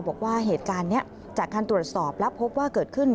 บอกว่าเหตุการณ์นี้จากการตรวจสอบแล้วพบว่าเกิดขึ้น